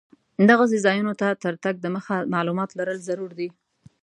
دغسې ځایونو ته تر تګ دمخه معلومات لرل ضرور دي.